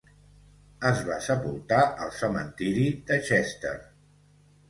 Es va sepultar al cementiri de Chester.